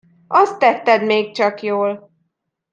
Azt tetted még csak jól!